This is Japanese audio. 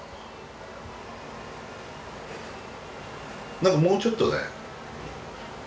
何かもうちょっとね